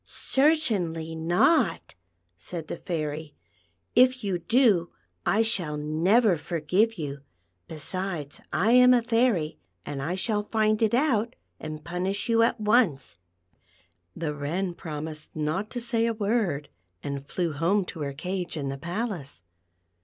"Certainly not," said the Fairy ;" if \'ou do, I shall never forgive you ; besides, I am a fairy, and I shall find it out and punish you at once." The Wren promised not to say a word, and flew home to her cage in the palace.